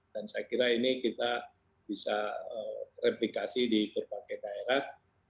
dan saya kira ini kita bisa replikasi di berbagai daerah